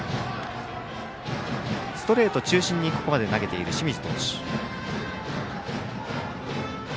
ストレート中心にここまで投げている清水投手。